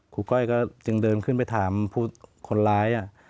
ก้อยก็จึงเดินขึ้นไปถามผู้คนร้าย